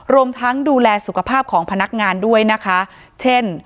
รวมทั้งดูแลสุขภาพของพนักงานด้วยนะคะเช่น